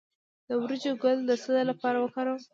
د وریجو ګل د څه لپاره وکاروم؟